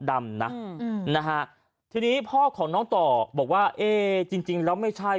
ดำนะอืมนะฮะทีนี้พ่อของน้องต่อบอกว่าเอ๊จริงจริงแล้วไม่ใช่